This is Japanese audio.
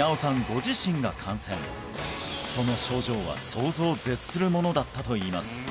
ご自身が感染その症状は想像を絶するものだったといいます